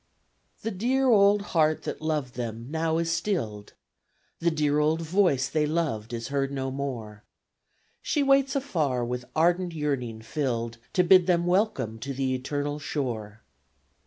The dear old heart that loved them now is stilled, The dear old voice they loved is heard no more; She waits afar with ardent yearning filled To bid them welcome to the eternal shore!